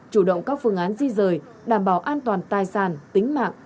chủ động các phương án di rời đảm bảo an toàn tài sản tính mạng